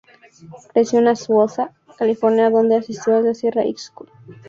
Creció en Azusa, California, donde asistió al Sierra High School.